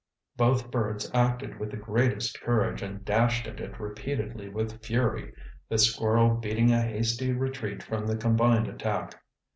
Both birds acted with the greatest courage and dashed at it repeatedly with fury, the squirrel beating a hasty retreat from the combined attack.